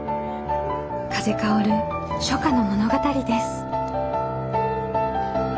風薫る初夏の物語です。